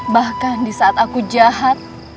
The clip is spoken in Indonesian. bahkan disaat aku jahat